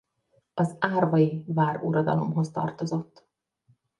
Az árvai váruradalomhoz tartozott.